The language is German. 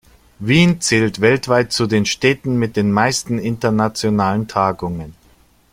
Wien zählt weltweit zu den Städten mit den meisten internationalen Tagungen.